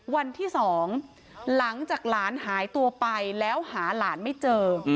วันที่๒หลังจากหลานหายตัวไปแล้วหาหลานไม่เจอ